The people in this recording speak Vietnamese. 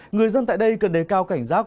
người dân tại đây cần đề cao cảnh giác